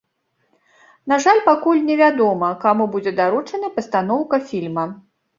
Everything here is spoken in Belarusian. На жаль, пакуль невядома, каму будзе даручана пастаноўка фільма.